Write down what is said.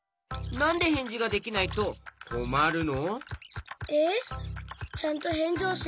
なんでへんじができないとこまるの？